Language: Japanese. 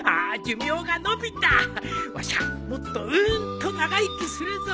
わしゃもっとうーんと長生きするぞ！